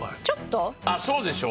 あっそうでしょ？